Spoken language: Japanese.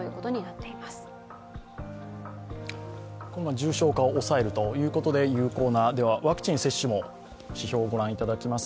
重症化を抑えるということで、有効なワクチン接種も数字を御覧いただきます。